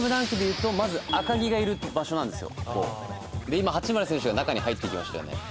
今、八村選手が中に入っていきましたよね。